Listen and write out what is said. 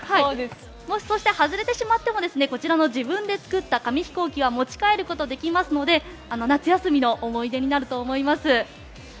そして外れてしまってもこちらの自分で作った紙ヒコーキは持ち帰ることができますので夏休みの思い出になると思います。